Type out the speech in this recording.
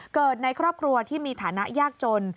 ในครอบครัวที่มีฐานะยากจน